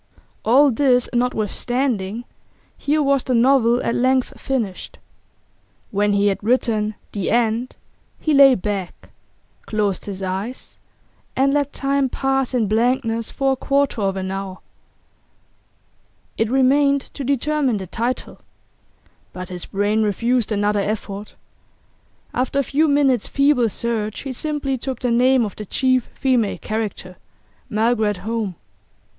All this notwithstanding, here was the novel at length finished. When he had written 'The End' he lay back, closed his eyes, and let time pass in blankness for a quarter of an hour. It remained to determine the title. But his brain refused another effort; after a few minutes' feeble search he simply took the name of the chief female character, Margaret Home.